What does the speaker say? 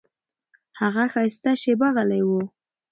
هغه ښایسته شېبه غلی و.